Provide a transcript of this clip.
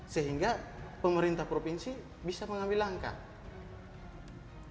sehingga pemerintah provinsi bisa mengambil langkah